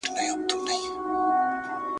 دوستي د سلو کلونو لار ده ,